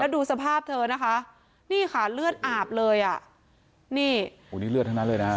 ดูสภาพเธอนะคะนี่ค่ะเลือดอาบเลยอ่ะนี่โอ้นี่เลือดทั้งนั้นเลยนะฮะ